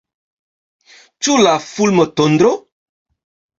Ĉu la fulmotondro?